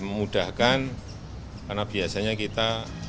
memudahkan karena biasanya kita